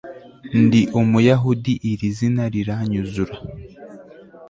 Ndi Umuyahudi iri zina riranyuzura